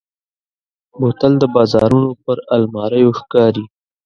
بوتل د بازارونو پر الماریو ښکاري.